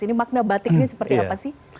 ini makna batik ini seperti apa sih